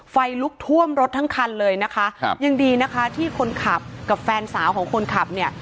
ไฟลุกท่วมรถทั้งคันเลยนะคะครับยังดีนะคะที่คนขับกับแฟนสาวของคนขับเนี่ย